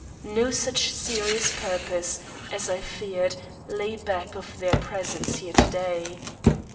No such serious purpose, as I feared, lay back of their presence here to day.